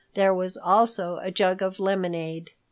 There was also a jug of lemonade.